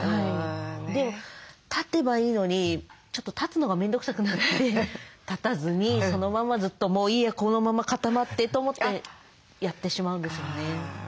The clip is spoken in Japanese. でも立てばいいのにちょっと立つのが面倒くさくなって立たずにそのままずっとと思ってやってしまうんですよね。